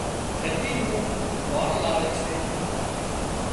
کڄي نُون واڻ لاوي سي